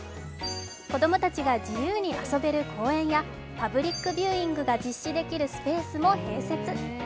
子供たちが自由に遊べる公園やパブリックビューイングが実施できるスペースも併設。